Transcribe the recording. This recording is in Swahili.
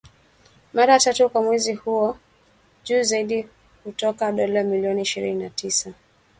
Mara tatu kwa mwezi huo, juu zaidi kutoka dola milioni ishirini na tisa